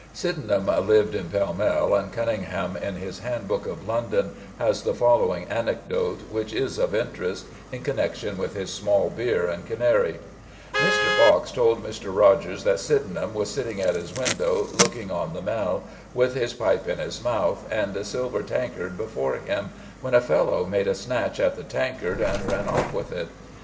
Sydenham lived in Pall Mall, and Cunningham in his Handbook of London has the following anecdote, which is of interest in connexion with his small beer and canary: "Mr. Fox told Mr. Rogers that Sydenham was sitting at his window looking on the Mall with his pipe in his mouth and a silver tankard before him, when a fellow made a snatch at the tankard and ran off with it.